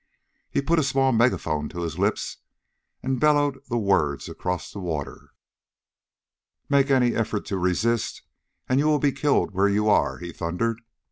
He put a small megaphone to his lips and bellowed the words across the water. "Make any effort to resist, and you will be killed where you are!" he thundered.